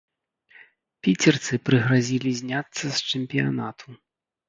Піцерцы прыгразілі зняцца з чэмпіянату.